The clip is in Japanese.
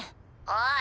おい